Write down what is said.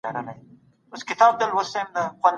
هغوی ته حلال او حرام ور زده کړئ.